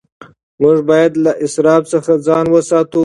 موږ باید له اسراف څخه ځان وساتو.